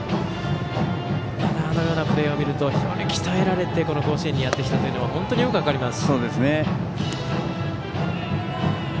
ただ、あのようなプレーを見ると非常に鍛えられてこの甲子園にやってきたというのが本当によく分かります。